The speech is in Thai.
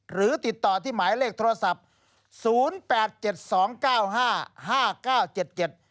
หรือติดต่อที่หมายเลขโทรศัพท์๐๘๗๒๙๕๕๙๗๗